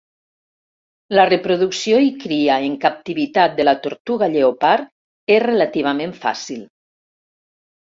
La reproducció i cria en captivitat de la tortuga lleopard és relativament fàcil.